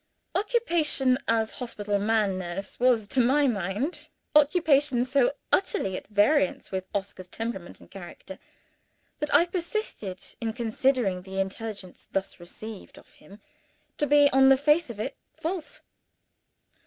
Occupation as hospital man nurse was, to my mind, occupation so utterly at variance with Oscar's temperament and character, that I persisted in considering the intelligence thus received of him to be on the face of it false.